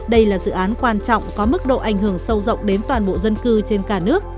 đây là dự án quan trọng có mức độ ảnh hưởng sâu rộng đến toàn bộ dân cư trên cả nước